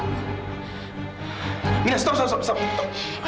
kamilah berhenti berhenti berhenti